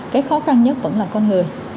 cái khó khăn nhất vẫn là con người